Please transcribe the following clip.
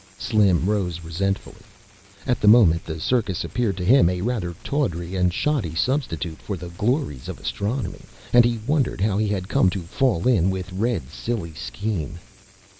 Slim rose resentfully. At the moment, the circus appeared to him a rather tawdry and shoddy substitute for the glories of astronomy, and he wondered how he had come to fall in with Red's silly scheme.